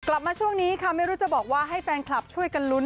กลับมาช่วงนี้ค่ะไม่รู้จะบอกว่าให้แฟนคลับช่วยกันลุ้น